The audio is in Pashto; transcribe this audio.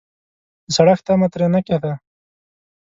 د سړښت تمه ترې نه کېده.